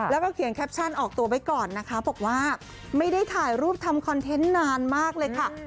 แล้วก็เขียนแคปชั่นออกตัวไว้ก่อนนะคะบอกว่าไม่ได้ถ่ายรูปทำคอนเทนต์นานมากเลยค่ะ